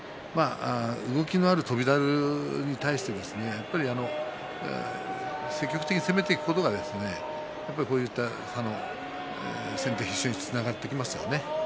動きのある翔猿に対して積極的に攻めていくことがこういった先手必勝につながっていきますよね。